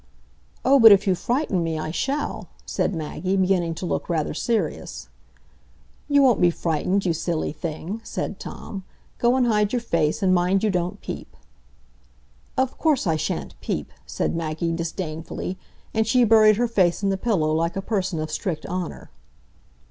"Oh, but if you frighten me, I shall," said Maggie, beginning to look rather serious. "You won't be frightened, you silly thing," said Tom. "Go and hide your face, and mind you don't peep." "Of course I sha'n't peep," said Maggie, disdainfully; and she buried her face in the pillow like a person of strict honour.